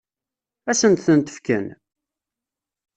Ad sent-tent-fken?